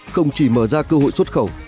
không chỉ mở ra cơ hội xuất khẩu